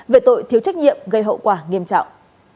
về tội thiếu trách nhiệm gây hậu quả nghiêm trọng